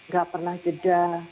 gak pernah jeda